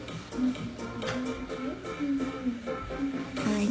はい。